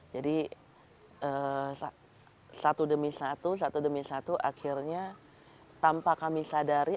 jadi satu demi satu satu demi satu akhirnya tanpa kami sadari